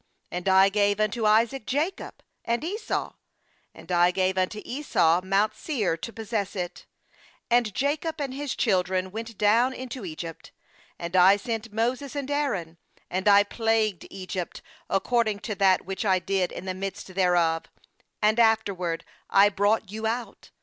4A.nd I gave unto Isaac Jacob and Esau ; and I gave unto Esau mount Seir, to possess it; and Jacob and his children went down into Egypt. 5And I sent Moses and Aaron, and I plagued Egypt, according to that which I did in the midst thereof; and afterward I brought you out.